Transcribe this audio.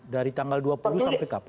dari tanggal dua puluh sampai kapan